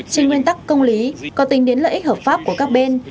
trên nguyên tắc công lý có tính đến lợi ích hợp pháp của các bên